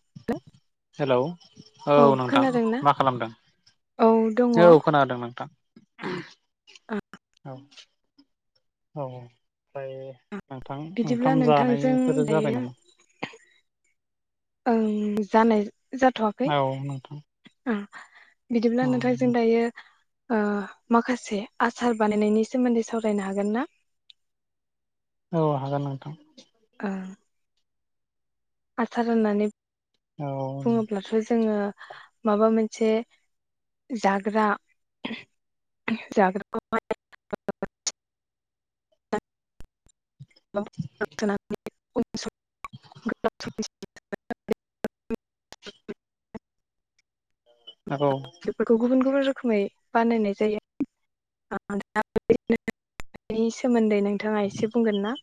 [unintelligible] Hello औ नोंथां मा खालामदों औ दङ औ खोनादों नोंथां [unintelligible] औ औ फ्राय बिदिब्ला नोंथांजों दायो नामा ओं जानोर जाथ'वाखै औ नोंथां ओं बिदिब्ला नोंथांजों दायो ओ माखासे आसार बानायनायनि सोमोन्दै सावरायनो हागोन ना? औ हागोन नोंथां दा आसाार होननानै औ बुङोब्लाथ' जोङो माबा मोनसे जाग्रा जाग्राखौहाय [unintelligible] [unintelligible] [unintelligible] औ बेफोरखौ गुबुन गुबुन रो खोमै बानायनाय जायो [unintelligible] सोमोन्दै नों नोंथाङा एसे बुंगोन ना?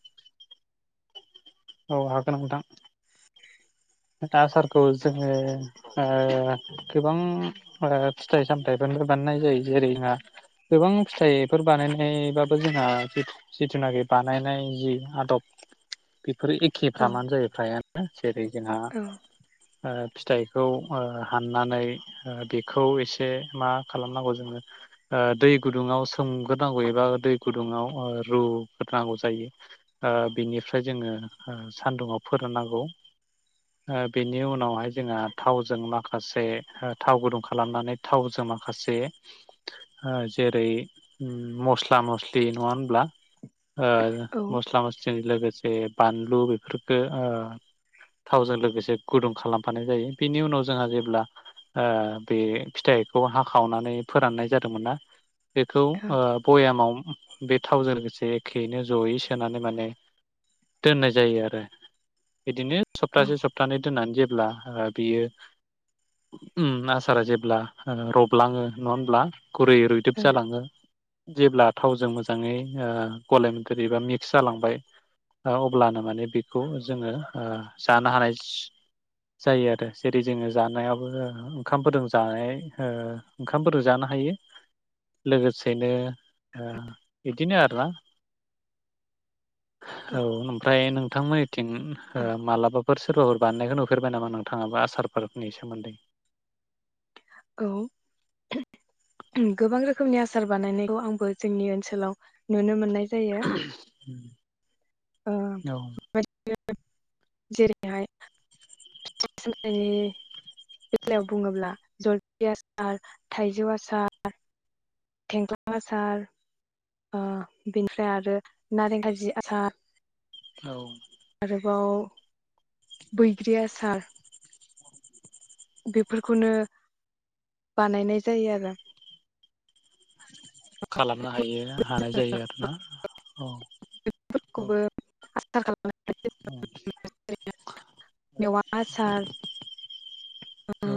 औ हागोन नोंथां। आसारखौ जोङो ओ गोबां ओ फिथाइ सामथाइफोरनो बानायनाय जायो जेरै जोंहा गोबां फिथाइफोर बानायनायबाबो जोंहा जिथुनाखि बानायनाय जि आदब फोर एखे औ फ्रामानो जायो फ्रायानो जेरै हा? औ ओ फिथाइखौ ओ हाननानै बेखौ एसे मा खालामनांगौ जोङो ओ दै गुदुङाव सोमग्रोनांगौ एबा दै गुदुङाव रुग्रोनांगौ जायो ओ बिनिफ्राय जोङो ओ सानदुङाव फोराननांगौ। ओ बेनि उनावहाय जोंहा थावजों माखासे थाव गुदुं खालामनानै थावजों माखासे ओ जेरै मस्ला मस्लि नङा होनब्ला ओ औ मस्ला मस्लिनि लोगो जे बानलु बेफोरखो ओ थावजों लोगोसे गुदुं खालामफानाय जायो बेनि उनाव जोंहा जेब्ला ओ बे फिथाइखौ हाखावनानै फोराननाय जादोंमोन ना बेखौ औ ओ भयामाव बे थावजों लोगोसे एखेयैनो जयै सोनानै माने दोननाय जायो आरो बिदिनो सप्तासे सप्तानै दोननानै जे ब्ला बियो उम आसारा जेब्ला ओ रबलाङो, नङा होनब्ला? गुरै रुइदोब जालाङो। जेब्ला थावजों मोजाङै ओ गलेमगो एबा मिक्स जालांबाय ओ अब्लानो माने बेखौ जोङो ओ जानो हानाय जायो आरो जेरै जोङो जानायाबो ओंखामफोरजों जानाय ओ ओंखामफोरजों जानो हायो लोगोसेनो ओ इदिनो आरोना। औ ओमफ्राय नोंथांमोननिथिं ओ माला सोरबाफोर बानायनायखौ नुफेरबाय नामा नोंथाङाबो आसार फोरनि सोमोन्दै? औ गोबां रोखोमनि आसार बानायनायखौ आंबो जोंनि ओनसोलाव नुनो मोननाय जायो [unintelligible] ओ औ। जेरैहाय फिथाइ सामथाइनि बेलायाव बुङोब्ला जलफि आसार, थाइजौ आसार थेंख्ला आसार ओ बेनिफ्राय आरो नारें खाजि आसार। औ बाव बैग्रि आसार। बेफोरखौनो बानायनाय जायो आरो। खालामनो हायो हानाय जायो आरोना औ औ। खौबो औ [unintelligible] [unintelligible] मेवा आसार ओ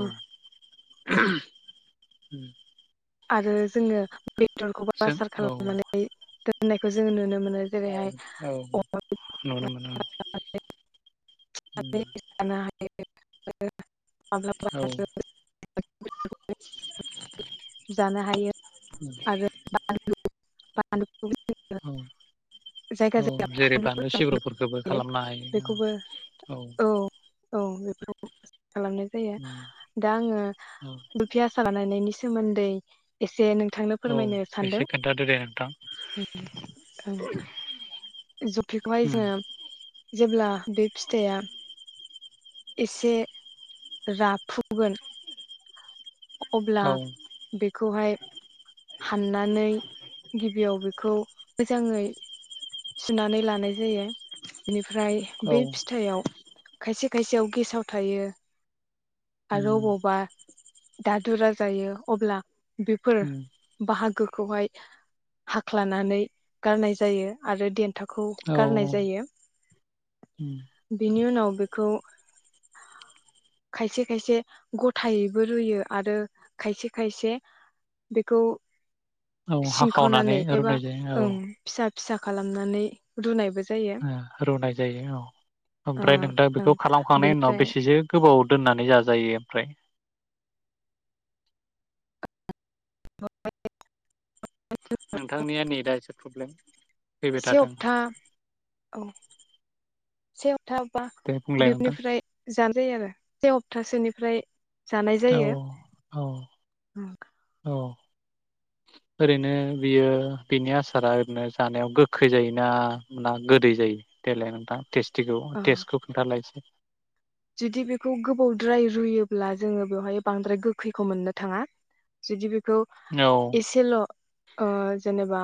[inaudible] आरो जोङो बेदरखौबो जों आसार औ खालामनानै दोन होननायखौ जोङो नुनो मोनो। औ जेरैहाय औ नुनो मोनो औ [inaudible] ए [unintelligible] माब्लाबा औ [unintelligible] जानो हायो [unintelligible] [unintelligible] औ जायगा औ जायगा जेरै फानलु बानलु सिब्रुफोरखौबो खालामनो हायो औ बेखौबो औ। औ [unintelligible] खालामनाय औ जायो दा आङो बै [unintelligible] आसार बानायनायनि सा सोमोन्दै एसे नों औ एसे खोन्थादो दे नोंथां। ओं जुफिखौहाय जोङो जेब्ला बे फिथाइया एसे राफुगोन अब्ला औ बेखौहाय हाननानै गिबियाव बेखौ मोजाङै सुनानै लानाय जायो बिनि फ्राय औ बे फिथाइयाव खायसे खायसेयाव गेसाव थायो। आरो अबावबा दादुरा जायो अब्ला बिफोर बाहागो खौहाय हाख्लानानै गारनाय जायो आरो देन खथाखौ औ गारनाय जायो। बेनि उनाव बेखौ खायसे खायसे गथायैबो रुयो आरो खायसे खायसे बेखौ औ हाखावनानै सिंखावनानै एबा रुनाय जायो ओं औ। फिसा फिसा खालामनानै रुनायबो जायो ओ रुनाय जायो औ। ओ ओमफ्राय नों दा बेखौ खालामखांनायनि उनाव बेनिफ्राय बेसेसो गोबाव दोननानै जाजायो? ओमफ्राय म [inaudible] नोंथांनिया नेटआ एसे प्रब्लेम फैबाय से थादों हप्ता औ से सप्था बा दे बुंलाय नोंथां बिबनिफ्राय जानाय जायो आरो से हप्तासेनिफ्राय जानाय औ जायो औ औ ओरैनो बियो बिनि आसारा ओरैनो जानायाव गोखै जायोना ना गोदै जायो देलाय नोंथां टेस्टिखौ ओ टेस्टखौ खिथालायसै जुदि बेखौ गोबावद्राय रुयोब्ला जोङो बेवहाय बांद्राय गोखैखौ मोननो थाङा जुदि बे बे खौ औ एसेल' ओ जेनेबा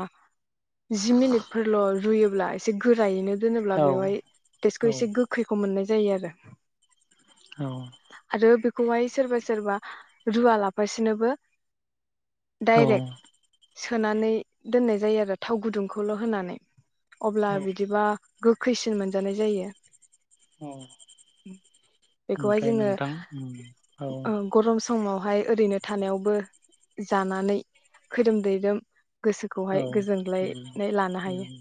जि मिनिटफोरल' रुयो एसे गोरायैनो दोनोब्ला औ बेवहाय औ तेस्थखौ एसे गोखैखौ मोननाय जायो आरो औ खौहाय सोरबा सोरबा रुवा लाफासिनोबो औ डाइरेक्ट सोनानै दोननाय जायो आरो थाव गुदुंखौल' होनानै अब्ला औ बिदिबा गोखैसिन मोनजानाय जायो औ बेाय जो उम औ ग समावहाय ओरैनो थानायावबो जानानै खोदोम दैैदोम औ गोसोखौहाय उम गोजोनग्लायनाय लानो हायो उम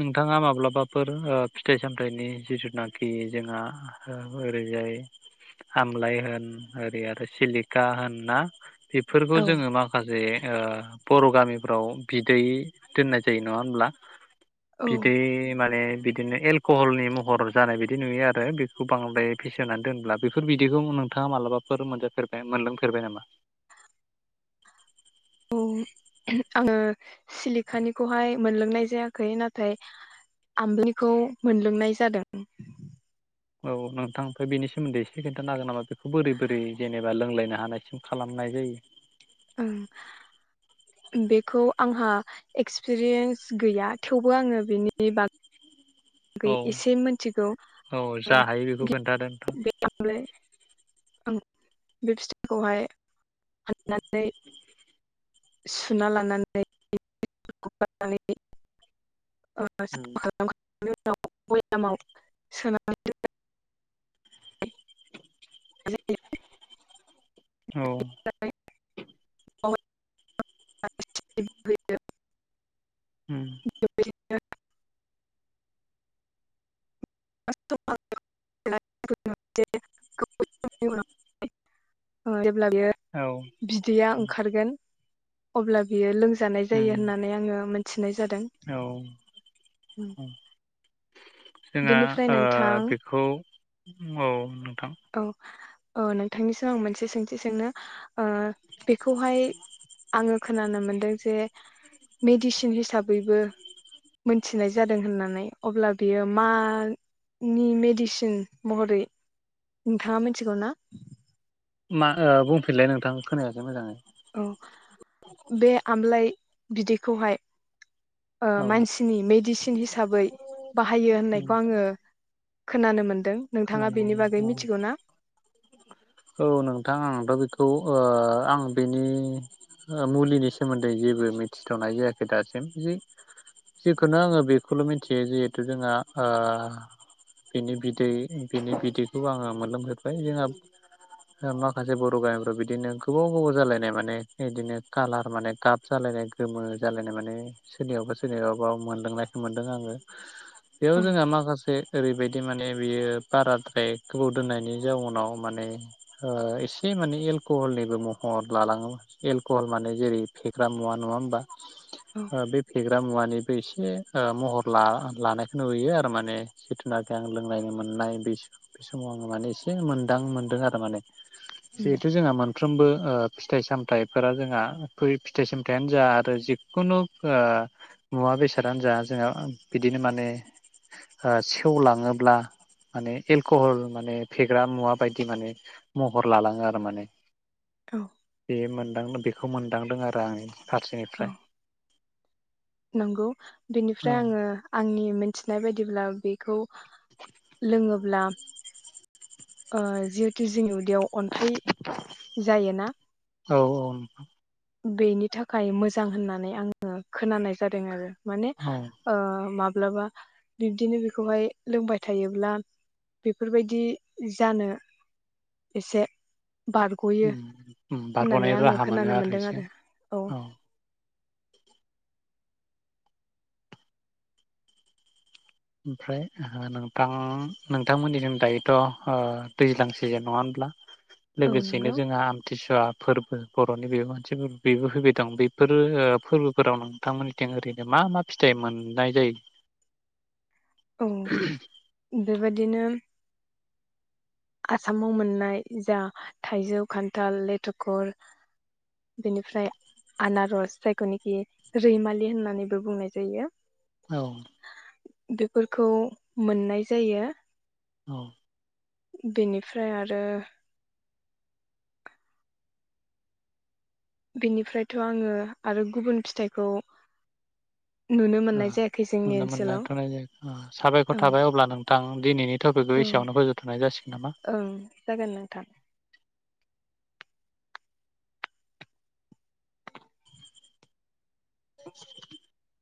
नोंथाङा माब्लाबाफोर फिथाइ सामथाइनि जिथुनाखि जोंहा ओरैजाय आमलााय होन ओरै आरो सिलिखा होननाा बेफोरखौ औ जोङो माखासे बर' गामिफ्राव बिदै दोननाय जायो नङा होनब्ला औ बिदै माने बिदिनो एलक'हलनि महर जानाय बिायदि नुयो आरो बेखौ बांद्राय फिसिानै दोनब्ला बेफोर बिदिखौ नोंथाङा मालाबाफोर मोनजाफेरबाय मोनलोंफेरबाय नामा औ आङो सिलिखानिखौहाय मोनलोंनाय जायाखै नाथाय आमबनिखौ मोनलोंनाय जादों औ नोंथांनिफ्राय बेनि सोमोन्दै एसे खोनन्थानो हागोन नामा बेखौ बोरै बोरै जेनेबा लोंलायनो हानायसिम खालामनाय जायो बेखौ आंहा एक्सपिरियेन्स गैया थेवबो आङो बेनि बाग औ एसे मिथिगौ औ जा हायो बेखौ खोन्थादो नोंथां। बे थांलाय आं बे फिथाइखौहाय फाननानै सुना लानानै [unintelligible] [unintelligible] उम बिनि उनाव बयामाव सोनानै दोनो [unintelligible] [unintelligible] औ [unintelligible] [unintelligible] ओ उम [unintelligible] अब्ला बियो औ बिदैया ओंखारगोन अब्ला बियो लों जानाय जायो उम होननानै आङो मोन औ औ जोंहा बेनिफ्राय ओ नोंथां बेखौ औ नोंथां औ ओ नोंथांनिसिम आं मोनसे सोंथि सोंनो ओ बेखौहाय आङो खोनानो मोनदों जे मेडिसिन हिसाबैबो मोनथिनाय जादों होननानै अब्ला बियो मानि मेडिसिन महरै नोंथाङा मोनथिगैना? मा ओ बुंफिनलाय नोंथां खोनायासै मोजाङै औ बे आमलाइ बिदैखौहाय ओ औ मानसिनि मेडिसिन हिसाबै बाहायो उम होननायखौ आङो खोनानो मोनदों नोंथाङा खोनानो बेनि बागै मोनदों मिथिगौ ना? औ नोंथां आंथ' बेखौ ओ आं बेनि मुलिनि सोमोन्दै जेबो मिथिथ'नाय जायाखै दासिम जि जिखुनो आङो बेखौल' मिथियो जिहेथु जोंहा ओ बिनि बिदै बिनि बिदैखौ आङो मोनलोंफेरबाय जोंहा माखासे बर' गामिफ्राव बिदिनो गोबाव गोबाव जालायनाय माने बिदिनो कालार माने गाब जालायनाय गोमो जालायनाय माने सोरनियावबा सोरनियावबाबा मोनलोंनायखौ मोन्दों आङो बेयाव औ जोंहा माखासे ओरैबायदि माने बियो बाराद्राय गोबाव दोननायनि जाउनाव माने ओ एसे माने एलक'हलनिबो महर लालाङोब एलक'हल माने जेरै फेग्रा मुवा नङा होमबा औ ओ बे फेग्रा मुवानि नैबे एसे ओ महर लानायखौ नुयो आरो माने जिथुनाखि आं लोंलनो मोननाय बे बे समाव आङो माने एसे मोनदां मोनदों आरो माने उम जेहुथु जोंहा मोन सानफ्रोमबो ओ फिथाइ सामथायाइफोरा जोंहा फिथाइ सामथायाइयानो जा आरो जिखुनु ओ मुवा बेसादानो जा जोंहा बिदिनो माने ओ सेवलाङोब्ला माने एलक'हल माने फेग्रा मुवा बायदि माने महर लालाङो आरो माने औ बे मोनदांनो बे बेखौ मोनदांदों आरो आं। औ फारसेनिफ्राय नंगौ औ बेनिफ्राय आङो आंनि मोनथिनाय बायदिब्ला बेखौ लोङोब्ला [inaudible] ओ जिहेतु जोंनि उदैयाव अन्थाइ, जायोना? औ औ नोंथां। बेनि थाखाय मोजां होननानै आङो खोनानाय जादों आरो। माने औ ओ माब माब्लाबा बिब्दिनो बेखौहाय लोंबाय थायोब्ला बेफोरबायदि जानो एसे बारग'यो ओम ओम होननानै बारग'नायनि आङो राहा मोनो खोनानो आरो मोनदों एसे औ। ओमफ्राय ओ नोंथा नोंथांमोननिखिन दायोथ' दैज्लां सिजेन नङा होनब्ला? औ लोगोसेनो नंगौ जोंहा आमथिसुवा फोर फो बर'नि बेबो मानसे फोरबो बेबो फैबाय दं बेफोरो ओ फोरबोफोराव नोंथांमोननिथिं ओरैनो मा मा फिथाइ मोननाय जायो? औ उ बेबायदिनो आसामाव मोननाय जा थाइजौ, खान्थाल लेथखर, बेनिफ्राय आनारस जायखौनिखि रैमालि होननानैबो बुंनाय जायो। औ। बेफोरखौ मोननाय जायो। औ। बेनिफ्राय आरो बिनिफ्रायथ' आङो आरो गुबुन फिथाइखौ नुनो ओ मोननाय जायाखै जोंनि नुनो मोनना ओनसोलाव थनाय' जाया ओ साबायखर औ थाबाय अब्ला नों थां दिनैनि थपिग बेखौ औ एसेयावनो फोजोबथ'नाय जासिगोन नामा? ओं जागोन नोंथां [inaudible]